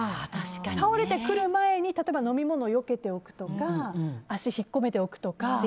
倒れてくる前に例えば飲み物をよけておくとか足を引っ込めておくとか。